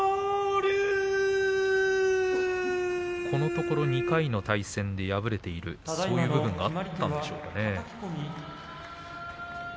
このところ２回の対戦で敗れている、そういうようなところもあったんでしょうか。